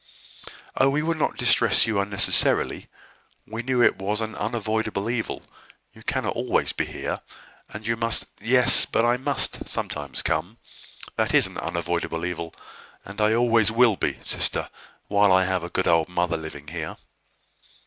"Oh, we would not distress you unnecessarily. We knew it was an unavoidable evil. You cannot always be here, and you must " "Yes, I must sometimes come: that is an unavoidable evil; and always will be, sister, while I have a good old mother living here."